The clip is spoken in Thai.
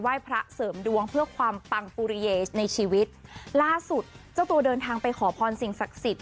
พระเสริมดวงเพื่อความปังปุริเยสในชีวิตล่าสุดเจ้าตัวเดินทางไปขอพรสิ่งศักดิ์สิทธิ